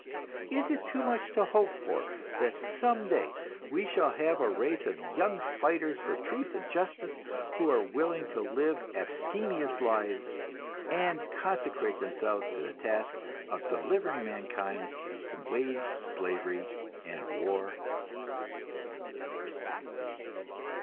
Is it too much to hope for, that some day we shall have a race of young fighters for truth and justice, who are willing to live abstemious lives, and consecrate themselves to the task of delivering mankind from wage slavery and war?